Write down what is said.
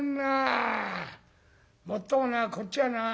もっともなこっちはな